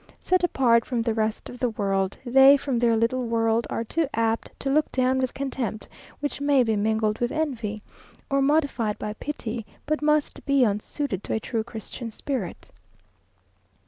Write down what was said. Set apart from the rest of the world, they, from their little world, are too apt to look down with contempt which may be mingled with envy, or modified by pity, but must be unsuited to a true Christian spirit.